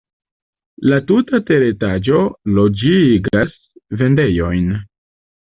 La tuta teretaĝo loĝigas vendejojn.